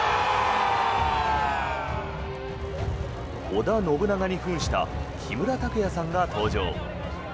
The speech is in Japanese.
織田信長に扮した木村拓哉さんが登場。